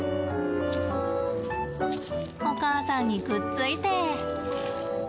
お母さんに、くっついて。